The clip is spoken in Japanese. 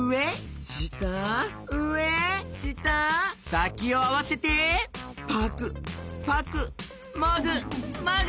さきをあわせてぱくぱくもぐもぐ！